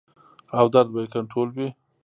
او درد به ئې کنټرول وي -